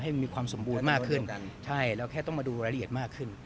มีความสมบูรณ์มากขึ้นใช่เราแค่ต้องมาดูรายละเอียดมากขึ้น